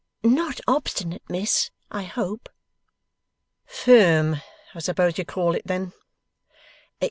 'Not obstinate, Miss, I hope.' 'Firm (I suppose you call it) then?